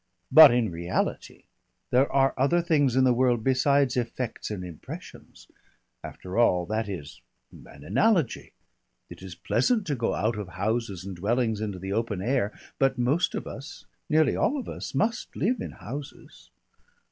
But in reality There are other things in the world beside effects and impressions. After all, that is an analogy. It is pleasant to go out of houses and dwellings into the open air, but most of us, nearly all of us must live in houses."